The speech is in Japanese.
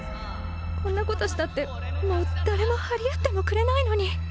こんなことしたってもう誰も張り合ってもくれないのに。